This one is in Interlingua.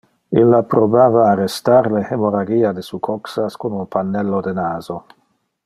Illa probava a arrestar le hemorrhagia de su coxas con un pannello de naso.